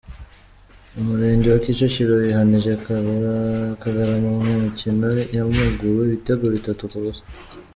Umurenge wa Kicukiro wihanije Kagarama mumikino yamaguru ibitego bitatu kubusa